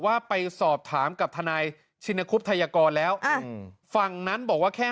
ว่าไปสอบถามกับทนายชินคุบไทยกรแล้วฝั่งนั้นบอกว่าแค่